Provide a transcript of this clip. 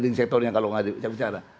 lading sektornya kalau gak bicara